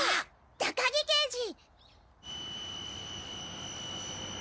高木刑事。